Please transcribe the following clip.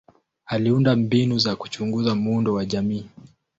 Aliunda mbinu za kuchunguza muundo wa jamii.